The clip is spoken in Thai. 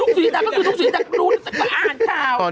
นุกสุธิดาก็คือนุกสุธิดากรูแต่ก็อ่านข่าว